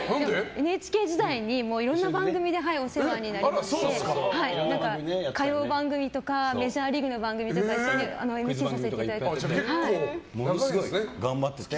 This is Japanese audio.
ＮＨＫ時代にいろんな番組でお世話になりまして歌謡番組とかメジャーリーグの番組とかものすごい頑張ってて。